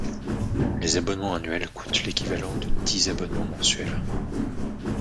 Les abonnements annuels coûtent l'équivalent de dix abonnements mensuels.